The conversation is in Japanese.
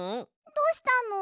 どしたの？